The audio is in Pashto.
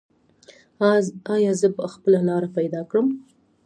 ایا زه به خپله لاره پیدا کړم؟